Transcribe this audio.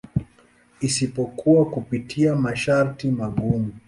Isipokuwa kupitia masharti magumu.